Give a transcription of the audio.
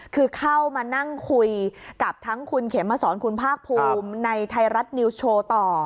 คือเข้ามานั่งคุยกับทั้งคุณเขมสอนคุณภาคภูมิในไทยรัฐนิวส์โชว์ต่อ